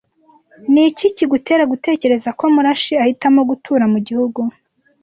Niki kigutera gutekereza ko Murashyi ahitamo gutura mugihugu?